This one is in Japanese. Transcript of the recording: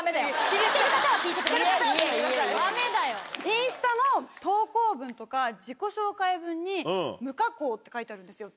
インスタの投稿文とか自己紹介文に無加工って書いてあるんですよ